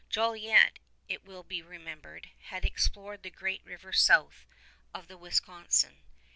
Jolliet, it will be remembered, had explored the Great River south of the Wisconsin.